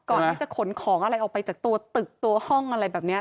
ก่อนที่จะขนของอะไรออกไปจากตัวตึกตัวห้องอะไรแบบนี้